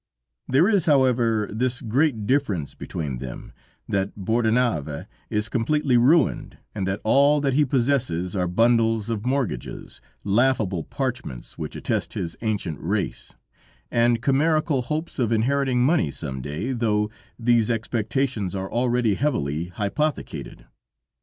There is, however, this great difference between them, that Bordenave is completely ruined and that all that he possesses are bundles of mortgages, laughable parchments which attest his ancient race, and chimerical hopes of inheriting money some day, though these expectations are already heavily hypothecated.